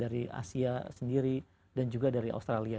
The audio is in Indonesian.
dari asia sendiri dan juga dari australia